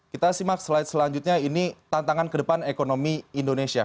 kita simak slide selanjutnya ini tantangan ke depan ekonomi indonesia